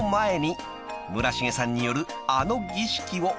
［村重さんによるあの儀式を］